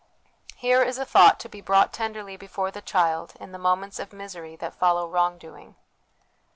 Here is a thought to be brought tenderly before the child in the moments of misery that follow wrong doing.